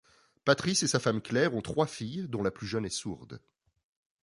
Patrice et sa femme Claire ont trois filles dont la plus jeune est sourde.